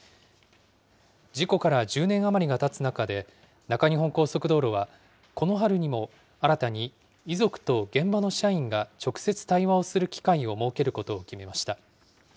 事故から１０年余りがたつ中で、中日本高速道路は、この春にも新たに、遺族と現場の社員が直接対話をする機会を設けることを決めました。